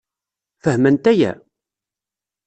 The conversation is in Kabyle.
Fehment aya?